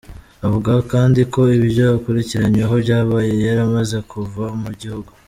Avuga kandi ko ibyo akurikiranyweho, byabaye yaramaze kuva mu gihugu.